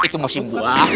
itu musim buah